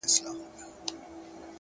هره ورځ د نوي پیل امکان لري!